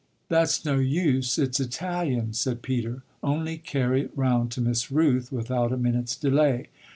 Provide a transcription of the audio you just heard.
"That's no use it's Italian," said Peter; "only carry it round to Miss Rooth without a minute's delay.